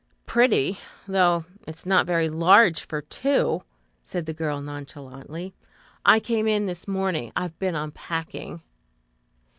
"Pretty, though it's not very large for two," said the girl nonchalantly. "I came in this morning. I've been unpacking."